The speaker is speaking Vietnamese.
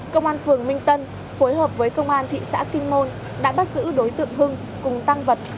công an phường minh tân phối hợp với công an thị xã kinh môn đã bắt giữ đối tượng hưng cùng tăng vật